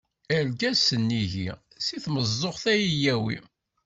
Argaz sennig-i, si tmeẓẓuɣt ad yi-yawi.